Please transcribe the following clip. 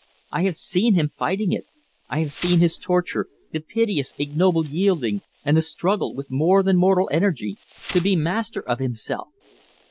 I have seen him fighting it. I have seen his torture, the piteous, ignoble yielding, and the struggle, with more than mortal energy, to be master of himself."